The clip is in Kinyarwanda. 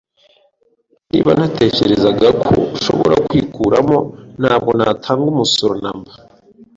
Niba natekerezaga ko nshobora kwikuramo, ntabwo natanga umusoro namba.